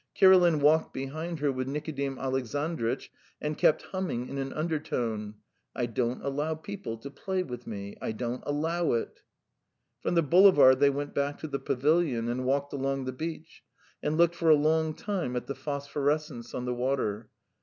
Kirilin walked behind her with Nikodim Alexandritch, and kept humming in an undertone: "I don't al low people to play with me! I don't al low it." From the boulevard they went back to the pavilion and walked along the beach, and looked for a long time at the phosphorescence on the water.